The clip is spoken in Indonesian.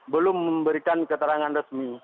belum memberikan keterangan resmi